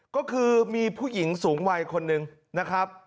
ก็คือมีผู้หญิงสูงวัยคนหนึ่งนะครับ